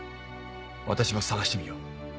私も捜してみよう。